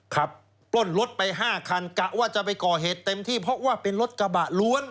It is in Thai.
ปล้นรถไป๕คันกะว่าจะไปก่อเหตุเต็มที่เพราะว่าเป็นรถกระบะล้วน